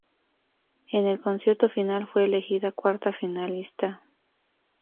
En el concierto final, fue elegida cuarta finalista.